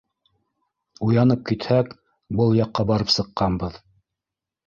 Уянып китһәк — был яҡҡа барып сыҡҡанбыҙ.